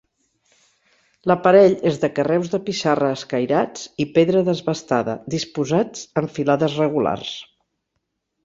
L'aparell és de carreus de pissarra escairats i pedra desbastada, disposats en filades regulars.